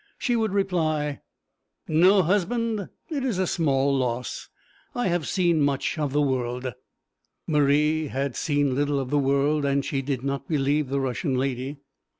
She would reply 'No husband! It is small loss. I have seen much of the world.' Marie had seen little of the world, and she did not believe the Russian lady.